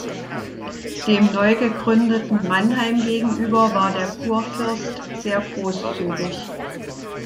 Dem neugegründeten Mannheim gegenüber war der Kurfürst sehr großzügig.